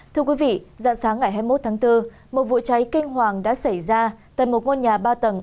thưa quý vị dạng sáng ngày hai mươi một tháng bốn một vụ cháy kinh hoàng đã xảy ra tại một ngôi nhà ba tầng